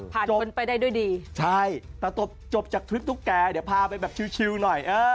จนไปได้ด้วยดีใช่แต่จบจากทริปตุ๊กแกเดี๋ยวพาไปแบบชิวหน่อยเออ